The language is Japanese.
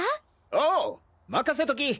おう任せとき！